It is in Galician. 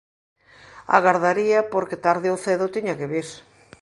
Agardaría porque, tarde ou cedo, tiña que vir.